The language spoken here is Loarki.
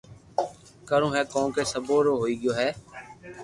ڪروُ ھي ڪونڪھ سبو رو ھوئي گيو ھي